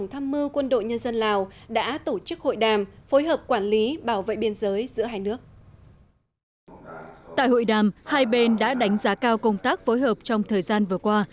hai bên đã đánh giá cao công tác phối hợp trong thời gian vừa qua